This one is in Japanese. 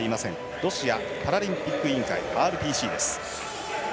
ロシアパラリンピック委員会＝ＲＰＣです。